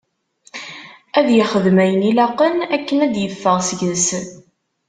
Ad ixdem ayen ilaqen akken ad d-yeffeɣ seg-s.